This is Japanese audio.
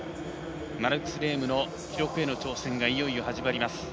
マルクス・レームの記録への挑戦がいよいよ始まります。